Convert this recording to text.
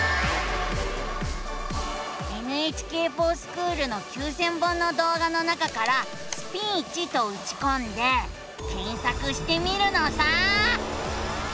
「ＮＨＫｆｏｒＳｃｈｏｏｌ」の９，０００本の動画の中から「スピーチ」とうちこんで検索してみるのさ！